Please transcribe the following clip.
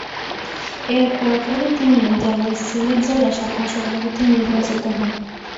এর পরপরই তিনি দলের সিলেট জেলা শাখার সভাপতি নির্বাচিত হন।